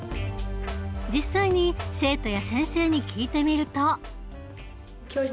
実際に生徒や先生に聞いてみると。